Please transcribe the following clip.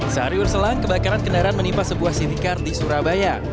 sehari berselang kebakaran kendaraan menimpa sebuah city card di surabaya